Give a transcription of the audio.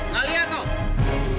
gak lihat kok